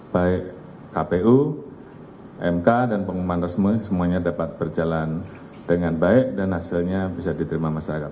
baik kpu mk dan pengumuman resmi semuanya dapat berjalan dengan baik dan hasilnya bisa diterima masyarakat